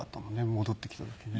戻ってきた時ね。